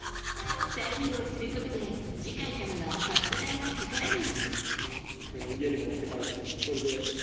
再利用することで次回からはカップ代はかからない。